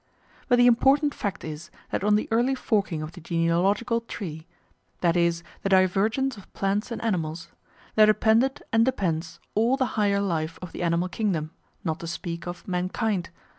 But the important fact is that on the early forking of the genealogical tree, i.e. the divergence of plants and animals, there depended and depends all the higher life of the animal kingdom, not to speak of mankind.